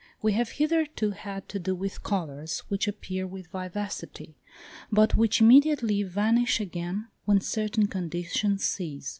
We have hitherto had to do with colours which appear with vivacity, but which immediately vanish again when certain conditions cease.